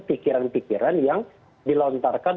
pikiran pikiran yang dilontarkan